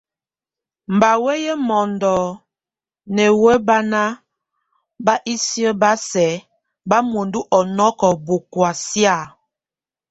Mba wéye mondo néwe baná bʼ ise ba sɛk, bá muendu ɔnɔk, bɔkɔa síak.